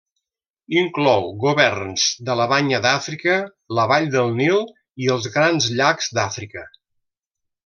Inclou governs de la Banya d'Àfrica, la Vall del Nil i els Grans Llacs d'Àfrica.